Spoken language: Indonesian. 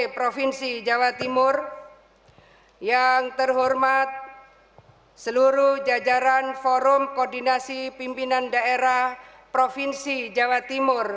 provinsi jawa timur yang terhormat seluruh jajaran forum koordinasi pimpinan daerah provinsi jawa timur